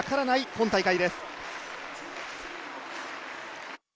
今大会です。